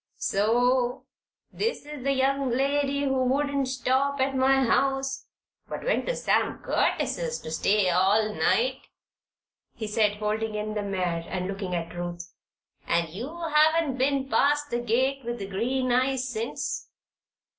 "So this is the young lady who wouldn't stop at my house but went to Sam Curtis' to stay all night," he said, holding in the mare and looking down at Ruth. "And you haven't been past the gate with the green eyes since?"